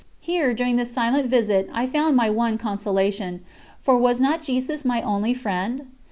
Here, during this silent visit, I found my one consolation for was not Jesus my only Friend?